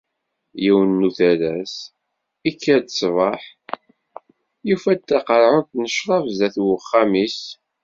Yiwen n uterras, ikker-d ssbeḥ, yufa-d taqerɛunt n ccrab sdat uxxam-is.